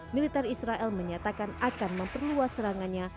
militer israel menyatakan akan memperluas serangannya